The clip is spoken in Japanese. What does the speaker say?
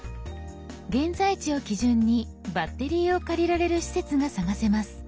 現在地を基準にバッテリーを借りられる施設が探せます。